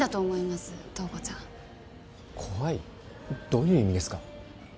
どういう意味ですか？